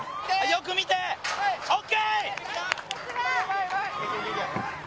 よく見てＯＫ！